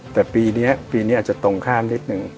แต่ปีนี้ปีนี้อาจจะตรงข้ามนิดนึง